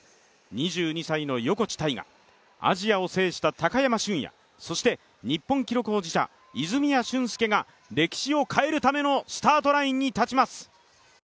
２２歳の横地大雅、アジアを制した高山峻野、そして日本記録保持者、泉谷駿介が歴史を変えるためのスタートラインに立ちます。